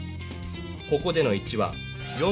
ここでの１は。